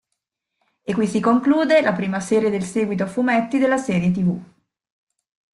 E qui si conclude la prima serie del seguito a fumetti della serie tv.